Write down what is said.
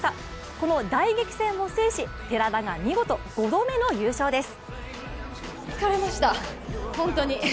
この大激戦を制し、寺田が見事５度目の優勝です。